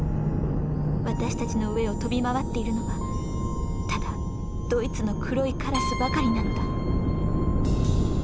私たちの上を飛び回っているのはただドイツの黒いカラスばかりなのだ」。